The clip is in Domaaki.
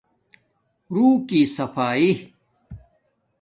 روح کی صفایݵ